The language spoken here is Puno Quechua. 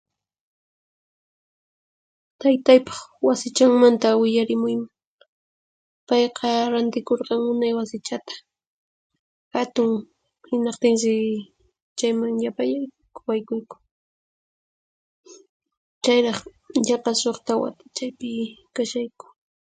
Taytaypaq wasichanmanta willarimuyman. Payqa rantikurqan munay wasichata, hatun hinaqtinsi chayman llapallayku waykuyku. Chayraq yaqa suqta wata chaypi kashayku.